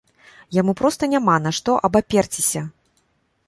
Яму проста няма на што абаперціся.